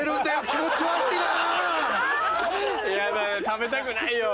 食べたくないよ。